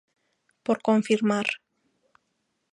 Por confirmar.